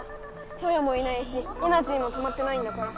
ソヨもいないしエナジーもたまってないんだから。